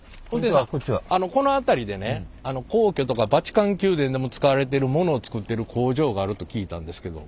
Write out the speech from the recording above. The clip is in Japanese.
この辺りでね皇居とかバチカン宮殿でも使われてるものを作ってる工場があると聞いたんですけど。